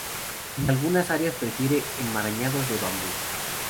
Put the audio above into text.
En algunas áreas prefiere enmarañados de bambú.